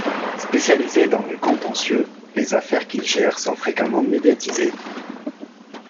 Spécialisé dans le contentieux, les affaires qu'il gère sont fréquemment médiatisées.